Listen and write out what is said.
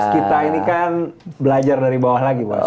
kita ini kan belajar dari bawah lagi